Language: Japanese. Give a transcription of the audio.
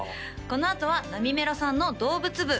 このあとはなみめろさんの動物部